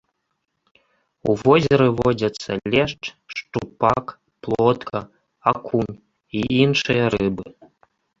У возеры водзяцца лешч, шчупак, плотка, акунь і іншыя рыбы.